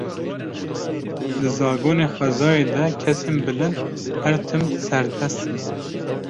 Di zagonê xwezayê de kesên bilind her tim serdest in.